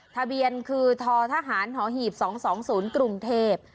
ทะเบียนคือททหารหอหีบ๒๒๐กรุงเทพฯ